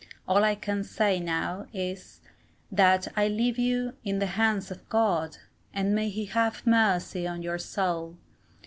All I can now say is, that I leave you in the hands of God; and may he have mercy on your soul.